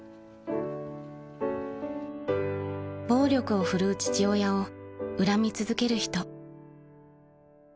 ［暴力をふるう父親を恨み続ける人］